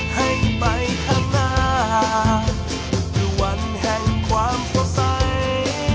ให้ไปข้างหน้าเป็นวันแห่งความสะใส